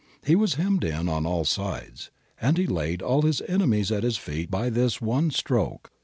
He was hemmed in on all sides, and he laid all his enemies at his feet by this one stroke.